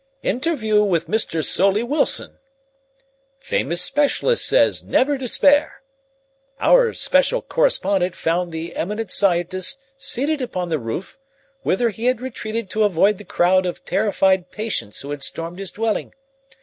"Interview with Mr. Soley Wilson." "Famous Specialist says 'Never despair!'" "Our Special Correspondent found the eminent scientist seated upon the roof, whither he had retreated to avoid the crowd of terrified patients who had stormed his dwelling.